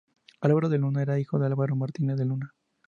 Álvaro de Luna era hijo de Álvaro Martínez de Luna.